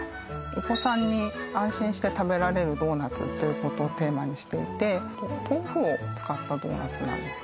お子さんに安心して食べられるドーナツということをテーマにしていて豆腐を使ったドーナツなんです